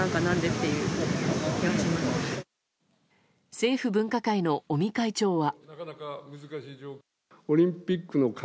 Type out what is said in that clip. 政府分科会の尾身会長は。